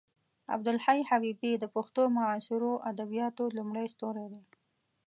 عبدالحی حبیبي د پښتو معاصرو ادبیاتو لومړی ستوری دی.